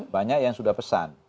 banyak yang sudah pesan